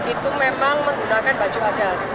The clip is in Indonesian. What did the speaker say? itu memang menggunakan baju adat